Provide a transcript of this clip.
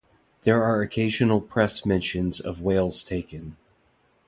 There are occasional press mentions of whales taken.